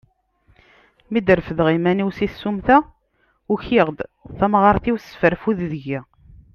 Mi d-refdeɣ iman-iw si tsumta, ukiɣ-d, tamɣart-iw tesfarfud deg-i.